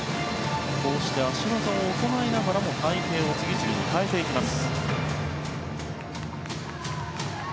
脚技を行いながらも回転を次々に変えていきます。